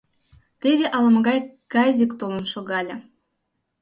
Теве ала-могай газик толын шогале.